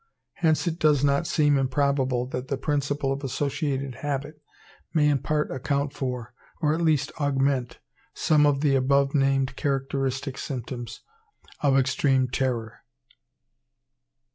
Hence it does not seem improbable that the principle of associated habit may in part account for, or at least augment, some of the above named characteristic symptoms of extreme terror.